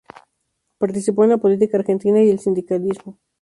Participó en la política argentina y en el sindicalismo.